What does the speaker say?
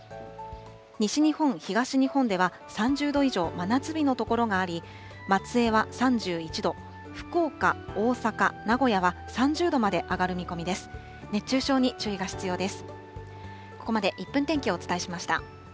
西日本、東日本では、３０度以上、真夏日の所があり、松江は３１度、福岡、大阪、名古屋は３０度まで上がる見込みです。